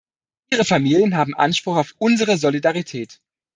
Ihre Familien haben Anspruch auf unsere Solidarität.